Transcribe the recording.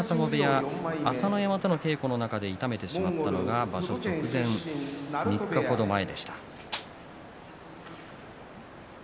前、高砂部屋朝乃山との稽古の中で痛めてしまったのが場所直前３日程前でした。